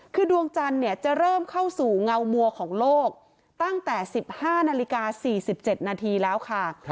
คือดวงจันทร์จะเริ่มเข้าสู่เงามัวของโลกตั้งแต่๑๕นาฬิกา๔๗นาทีแล้วค่ะ